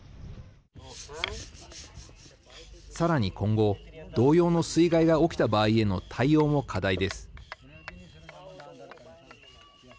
さらに今後同様の水害が起きた場合への対応も課題です。